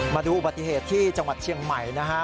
มาดูอุบัติเหตุที่จังหวัดเชียงใหม่นะฮะ